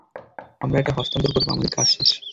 আমরা এটা হস্তান্তর করবো, আমাদের কাজ শেষ।